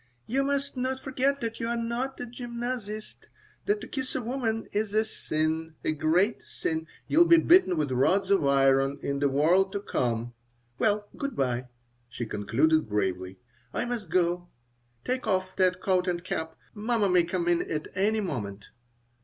"You must not forget that you are not a gymnasist, that to kiss a woman is a sin, a great sin. You'll be beaten with rods of iron in the world to come. Well, good by," she concluded, gravely. "I must go. Take off that coat and cap. Mamma may come in at any moment."